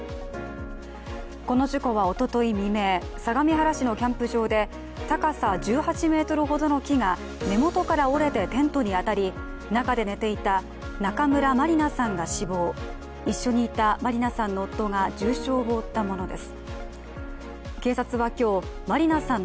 この事故はおととい未明、相模原市のキャンプ場で高さ１８ｍほどの木が根元から折れてテントに当たり中で寝ていた中村まりなさんが死亡、一緒にいたまりなさんの夫が重傷を負ったものです。